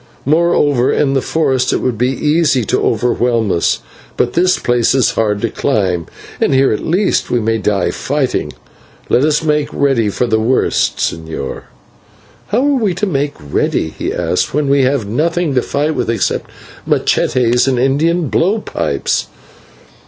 Moreover in the forest it would be easy to overwhelm us, but this place is hard to climb, and here at least we may die fighting. Let us make ready for the worst, señor." "How are we to make ready," he asked, "when we have nothing to fight with except /machetes/ and Indian blow pipes?